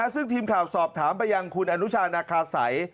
ซึ่งทีมข่าวสอบถามไปยังคุณอนุชานาคาสัย